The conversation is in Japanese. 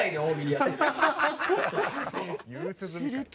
すると。